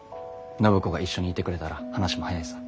暢子が一緒にいてくれたら話も早いさ。